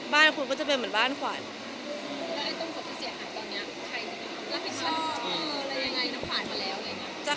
บ้านคุณก็จะเป็นเหมือนบ้านขวัญแล้วไอ้ต้มศพที่เสียงอ่ะตอนเนี้ย